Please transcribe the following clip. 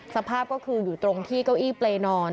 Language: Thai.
สภาพก็คืออยู่ตรงที่เก้าอี้เปรย์นอน